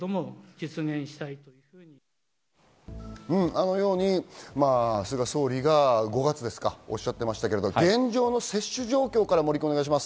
あのように菅総理が５月おっしゃっていましたが、現状の接種状況からお願いします。